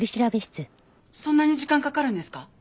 そんなに時間かかるんですか？